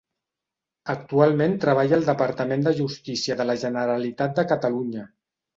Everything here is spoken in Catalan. Actualment treballa al Departament de Justícia de la Generalitat de Catalunya.